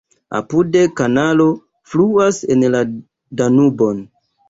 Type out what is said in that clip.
Apude kanalo fluas en la Danubon.